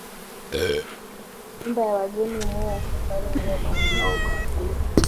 Nyumba ya wageni Mweya Safari ndiyo makao makuu